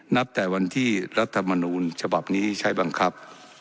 นับแต่วันที่รัฐมนูลฉบับนี้ใช้บังคับ